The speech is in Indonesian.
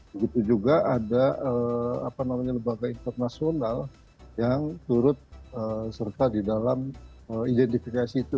begitu juga ada lembaga internasional yang turut serta di dalam identifikasi itu